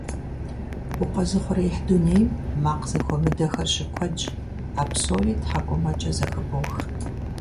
Укъэзыухъуреихь дунейм макъ зэхуэмыдэхэр щыкуэдщ. А псори тхьэкӀумэкӀэ зэхыбох.